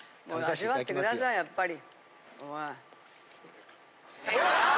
やっぱり。